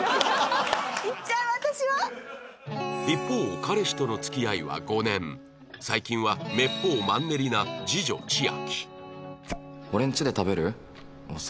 一方彼氏との付き合いは５年最近はめっぽうマンネリな次女千秋